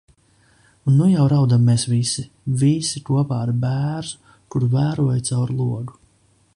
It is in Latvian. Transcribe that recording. Un nu jau raudam mēs visi. Visi, kopā ar bērzu, kuru vēroju caur logu.